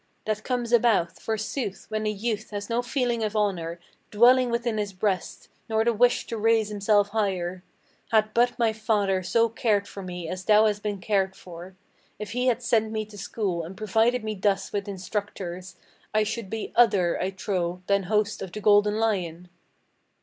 That comes about, forsooth, when a youth has no feeling of honor Dwelling within his breast, nor the wish to raise himself higher. Had but my father so cared for me as thou hast been cared for; If he had sent me to school, and provided me thus with instructors, I should be other, I trow, than host of the Golden Lion!"